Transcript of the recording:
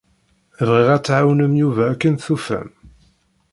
Bɣiɣ ad tɛawnem Yuba akken tufam.